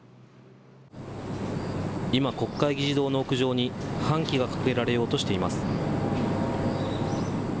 今、国会議事堂の屋上に、半旗が掲げられようとしています。